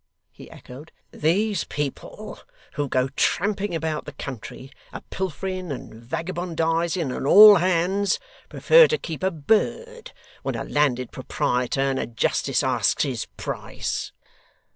he echoed. 'These people, who go tramping about the country a pilfering and vagabondising on all hands, prefer to keep a bird, when a landed proprietor and a justice asks his price!